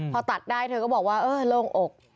พอตัดได้เธอก็บอกว่าเออโล่งอก